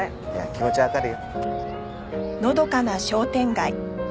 気持ちはわかるよ。